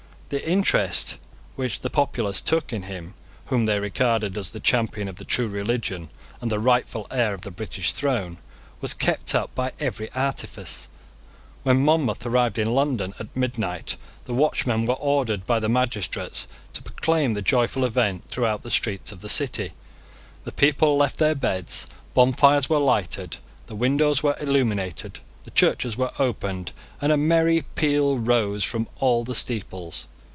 The interest which the populace took in him whom they regarded as the champion of the true religion, and the rightful heir of the British throne, was kept up by every artifice. When Monmouth arrived in London at midnight, the watchmen were ordered by the magistrates to proclaim the joyful event through the streets of the City: the people left their beds: bonfires were lighted: the windows were illuminated: the churches were opened; and a merry peal rose from all the steeples.